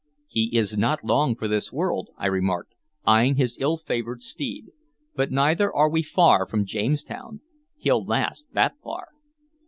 "He is not long for this world," I remarked, eyeing his ill favored steed, "but neither are we far from Jamestown. He'll last that far."